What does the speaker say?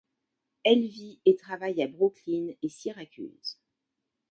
Elle vit et travaille à Brooklyn et Syracuse.